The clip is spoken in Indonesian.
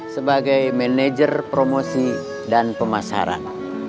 sebagai manajer promosi dan pemasaran